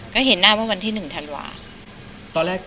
ก็เห็นหน้าว่าวันที่๑ธันวาคม